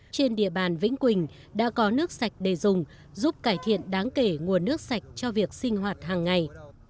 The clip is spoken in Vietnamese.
trên địa bàn vĩnh quỳnh đã có nước sạch để dùng giúp cải thiện đáng kể nguồn nước sạch cho việc sinh hoạt hàng ngày